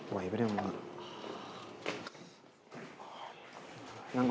ไหวปะเดี๋ยวมั้ง